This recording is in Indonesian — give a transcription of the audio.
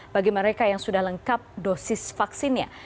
bagi mereka yang sudah lengkap dosis vaksinnya